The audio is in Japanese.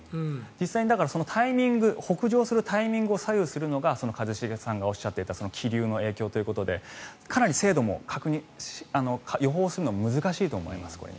実際に北上するタイミングを左右するのが一茂さんがおっしゃっていた気流の影響ということでかなり精度も確認、予報するのは難しいと思います。